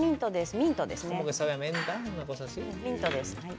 ミントですね。